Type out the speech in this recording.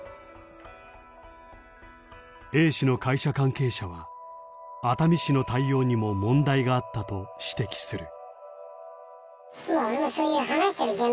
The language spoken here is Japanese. Ａ氏の会社関係者は熱海市の対応にも問題があったと指摘する。